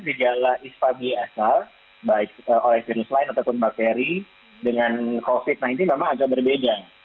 gejala ispabi asal baik oleh virus lain ataupun bakteri dengan covid sembilan belas memang agak berbeda